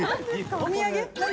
お土産？